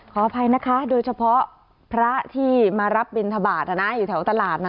ขออภัยนะคะโดยเฉพาะพระที่มารับบินทบาทอยู่แถวตลาดนะ